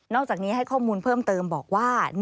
จากนี้ให้ข้อมูลเพิ่มเติมบอกว่า